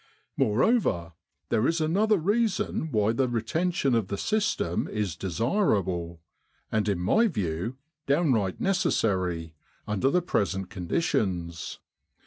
"Moreover, there is another reason why the retention of the system is desirable, and in my view 369 With the R.A.M.C. in Egypt downright necessary, under the present conditions.